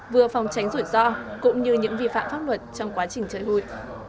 vừa phòng tránh rủi ro cũng như những vi phạm pháp luật trong quá trình chơi hụi